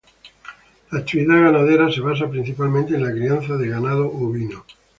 La actividad ganadera se basa principalmente en la crianza de ganado ovino.